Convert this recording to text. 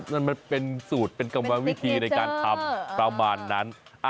นั่นมันเป็นสูตรเป็นกรรมวิธีในการทำประมาณนั้น